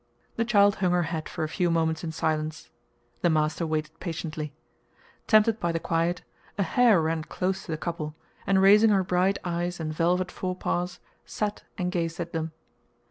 The child hung her head for a few moments in silence. The master waited patiently. Tempted by the quiet, a hare ran close to the couple, and raising her bright eyes and velvet forepaws, sat and gazed at them.